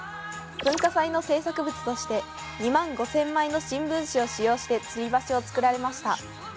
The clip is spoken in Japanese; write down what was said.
文化祭の制作物として２万５０００枚の新聞紙を使用してつり橋を造りました。